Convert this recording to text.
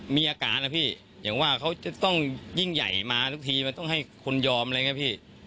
มันต้องให้คนยอมอะไรอย่างนี้พี่